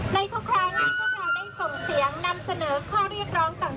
ทุกครั้งพวกเราได้ส่งเสียงนำเสนอข้อเรียกร้องต่าง